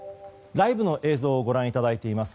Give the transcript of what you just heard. ライブの映像をご覧いただいています。